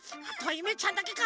ゆめちゃんだけか。